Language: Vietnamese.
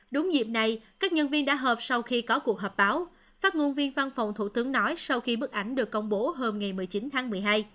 đúng dịp này các nhân viên đã họp sau khi có cuộc họp báo phát ngôn viên văn phòng thủ tướng nói sau khi bức ảnh được công bố hôm ngày một mươi chín tháng một mươi hai